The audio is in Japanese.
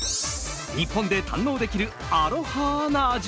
日本で堪能できるアロハな味